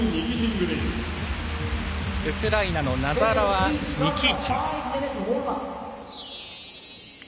ウクライナのナザロワニキーチン。